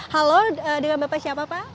halo dengan bapak siapa pak